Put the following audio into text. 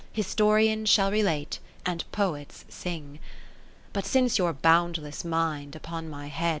Historians shall relate, and Poets sing. But since your boundless mind upon my head.